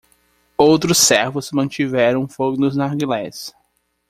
Outros servos mantiveram o fogo nos narguilés.